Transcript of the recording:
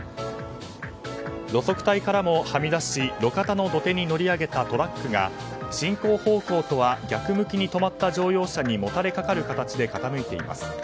路側帯からもはみ出し路肩の土手に乗り上げたトラックが進行方向とは逆向きに止まった乗用車に、もたれかかる形で傾いています。